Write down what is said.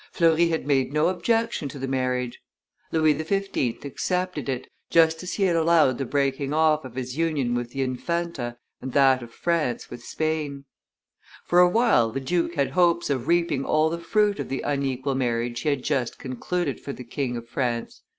Fleury had made no objection to the marriage. Louis XV. accepted it, just as he had allowed the breaking off of his union with the Infanta and that of France with Spain. For a while the duke had hopes of reaping all the fruit of the unequal marriage he had just concluded for the King of France.